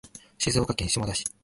静岡県下田市